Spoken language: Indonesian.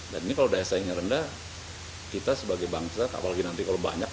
dan ini kalau daya saingnya rendah kita sebagai bangsa apalagi nanti kalau banyak